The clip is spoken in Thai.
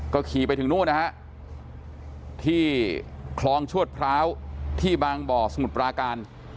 ก็ขี่ไปถึงนู่นนะฮะที่คลองชวดพร้าวที่บางบ่อสมุทรปราการ